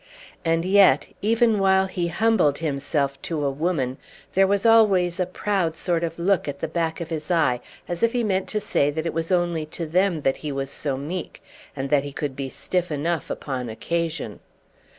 And yet, even while he humbled himself to a woman, there was always a proud sort of look at the back of his eye as if he meant to say that it was only to them that he was so meek, and that he could be stiff enough upon occasion.